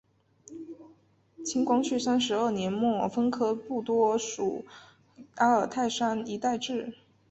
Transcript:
清光绪三十二年末分科布多所属阿尔泰山一带置。